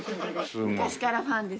昔からファンです。